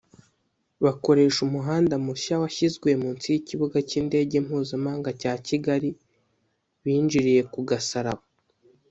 bakoresha umuhanda mushya washyizwe munsi y’ikibuga cy’Indege Mpuzamahanga cya Kigali binjiriye ku Gasaraba